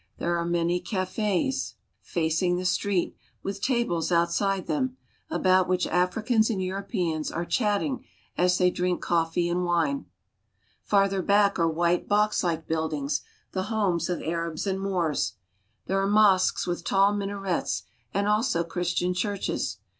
There are many cafds, facing the ALGERIA. GENERAL VIEW 37 Street, with tables outside them, about which Africans and Europeans are chatting as they drink coffee and wine. Farther back are white, boxlike buildings, the homes of Arabs and Moors. There are mosques with tall minarets and also Christian churches.